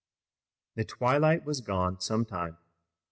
The twilight was gone some time.